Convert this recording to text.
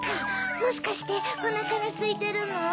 もしかしておなかがすいてるの？